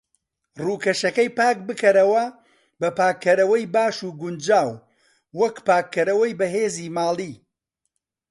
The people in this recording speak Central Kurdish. ڕوکەشەکەی پاک بکەرەوە بە پاکەرەوەی باش و گونجاو، وەک پاکەرەوەی بەهێزی ماڵی.